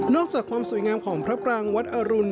อกจากความสวยงามของพระปรางวัดอรุณ